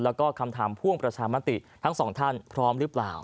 แล้วก็คำถามพ่วงประชามติทั้งสองท่านพร้อมหรือเปล่า